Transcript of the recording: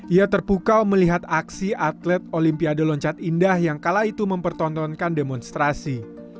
ia terpukau melihat aksi atlet olimpiade loncat indah yang kala itu mempertontonkan demonstrasi